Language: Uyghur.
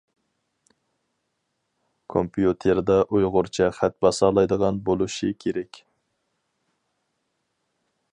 كومپيۇتېردا ئۇيغۇرچە خەت باسالايدىغان بولۇشى كېرەك.